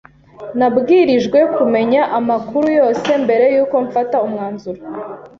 Nabwirijwe kumenya amakuru yose mbere yuko mfata umwanzuro.